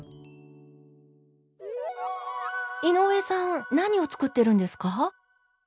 井上さん何を作ってるんですか？